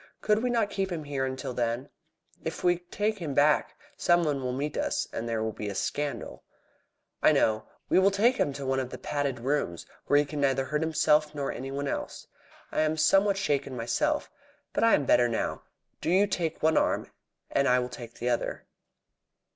Could we not keep him here until then? If we take him back, some one will meet us, and there will be a scandal." "I know. We will take him to one of the padded rooms, where he can neither hurt himself nor anyone else. I am somewhat shaken myself. But I am better now. Do you take one arm, and I will take the other."